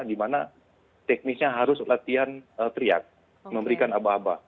dimana teknisnya harus latihan teriak memberikan aba aba